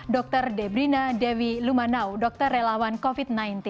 dr debrina dewi lumanau dokter relawan covid sembilan belas